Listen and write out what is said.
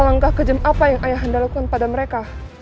alangkah kejam apa yang ayahanda lakukan pada mereka